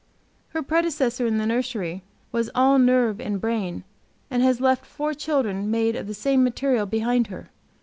Her predecessor in the nursery was all nerve and brain, and has left four children made of the same material behind her.